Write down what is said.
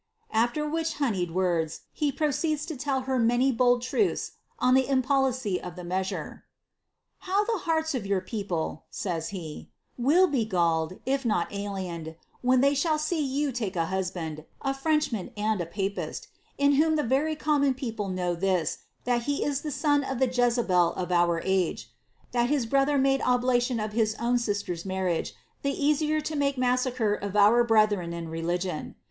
"* After which honeyed words, he proceeds to tell her many bold truths on the impolicy of the ■How tbe haans of your people" says he, "will be galled, if not aliened, vhen they shall see yon take a husband, a Frenchman and a papist, in whom ihs Tery common people know this, that he is the son of the Jezabel of our age — <hat his brother made oblation of his own sister's marriage, the easier to make msssacre of our brethren in religion.